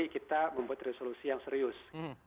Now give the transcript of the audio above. kita membuat resolusi yang serius